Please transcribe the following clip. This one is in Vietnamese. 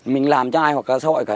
mình làm cho ai hoặc xã hội cả